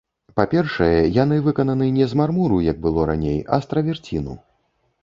Па-першае, яны выкананы не з мармуру, як было раней, а з траверціну.